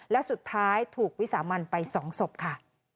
และสุดท้ายถูกวิสามันไป๒ศพค่ะ